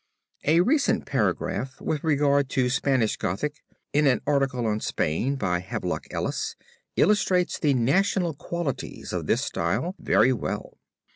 A recent paragraph with regard to Spanish Gothic in an article on Spain, by Havelock Ellis, illustrates the national qualities of this style very well.